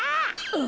あ？